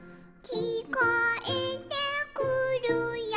「きこえてくるよ」